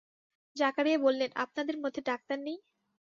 জাকারিয়া বললেন, আপনাদের মধ্যে ডাক্তার নেই?